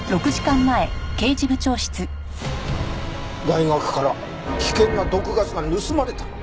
大学から危険な毒ガスが盗まれた？